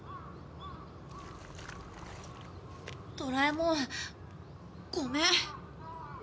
ドラえもん、ごめん。